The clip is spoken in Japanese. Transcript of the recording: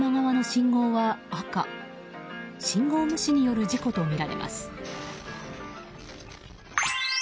信号無視による事故とみられます。